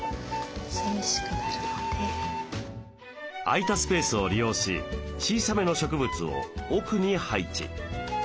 空いたスペースを利用し小さめの植物を奥に配置。